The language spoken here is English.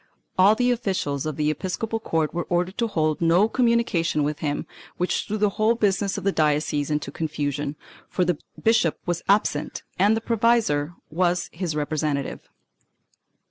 All the officials of the episcopal court were ordered to hold no communication with him, which threw the whole business of the diocese into confusion, for the bishop was absent and the provisor was his representative.